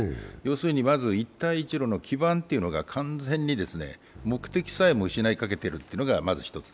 まず一帯一路の基盤が完全に目的さえも失い始めているというのが一つ。